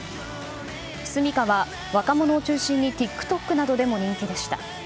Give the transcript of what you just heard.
ｓｕｍｉｋａは若者を中心にＴｉｋＴｏｋなどでも人気でした。